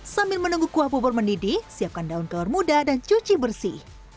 sambil menunggu kuah bobor mendidih siapkan daun kelor muda dan cuci bersih